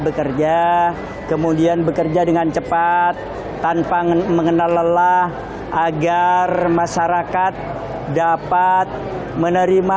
bekerja kemudian bekerja dengan cepat tanpa mengenal lelah agar masyarakat dapat menerima